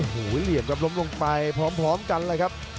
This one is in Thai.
เหลี่ยมครับล้มลงไปพร้อมกันเลยครับ